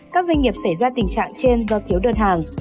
các doanh nghiệp xảy ra tình trạng trên do thiếu đơn hàng